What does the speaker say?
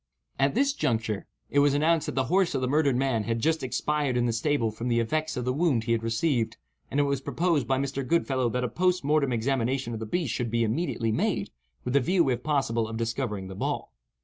At this juncture, it was announced that the horse of the murdered man had just expired in the stable from the effects of the wound he had received, and it was proposed by Mr. Goodfellow that a post mortem examination of the beast should be immediately made, with the view, if possible, of discovering the ball.